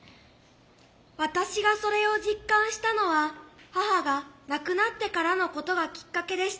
私がそれを実感したのは母が亡くなってからのことがきっかけでした。